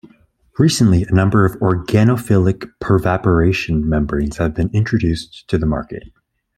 Recently, a number of organophilic pervaporation membranes have been introduced to the market.